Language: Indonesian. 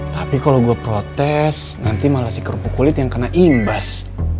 tapi kalau gue protes nanti malah si kerupuk kulit yang kena imbas